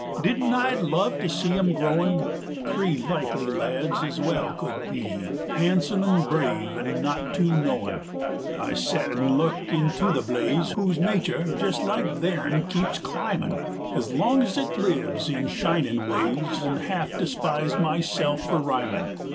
Didn't I love to see 'em growin', Three likely lads ez wal could be, Hahnsome an' brave an' not tu knowin'? I set an' look into the blaze 125 Whose natur', jes' like theirn, keeps climbin', Ez long 'z it lives, in shinin' ways, An' half despise myself for rhymin'.